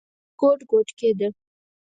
دى اوس ګوډ ګوډ کېده.